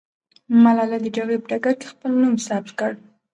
ملالۍ د جګړې په ډګر کې خپل نوم ثبت کړ.